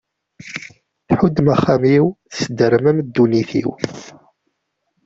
Thuddem axxam-iw, tesdermem ddunit-iw.